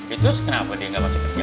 itu kenapa dia ga masuk kerja